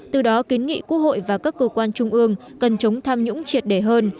từ đó kiến nghị quốc hội và các cơ quan trung ương cần chống tham nhũng triệt đề hơn